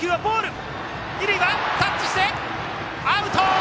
二塁はタッチしてアウト！